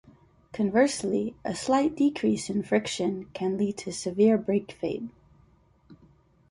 Conversely, a slight decrease in friction can lead to severe brake fade.